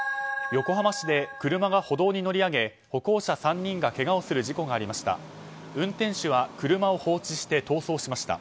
横浜市で車が歩道に乗り上げ歩行者３人がけがをする事故がありました。